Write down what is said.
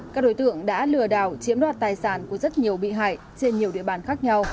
các đối tượng đã lừa đảo chiếm đoạt tài sản của rất nhiều bị hại trên nhiều địa bàn khác nhau